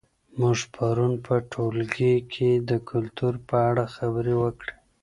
موږ پرون په ټولګي کې د کلتور په اړه خبرې وکړې.